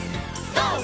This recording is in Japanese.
ＧＯ！